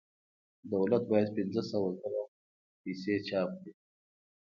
دولت باید پنځه سوه زره پیسې چاپ کړي